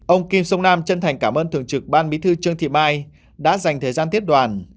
ông kim sông nam chân thành cảm ơn thường trực ban bí thư trương thị mai đã dành thời gian tiếp đoàn